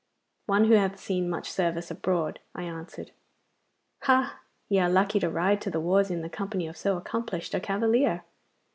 'One who hath seen much service abroad,' I answered. 'Ha! ye are lucky to ride to the wars in the company of so accomplished a cavalier.